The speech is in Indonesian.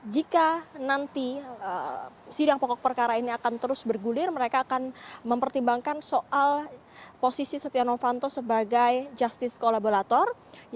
jika nanti sidang pokok perkara ini akan terus bergulir mereka akan mempertimbangkan soal posisi setia novanto sebagai justice kolaborator